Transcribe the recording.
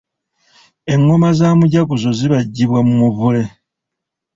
Engoma za mujaguzo zibajjibwa mu muvule.